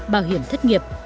bảo hiểm thất nghiệp